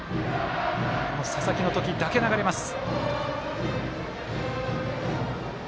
この佐々木の時だけ流れます。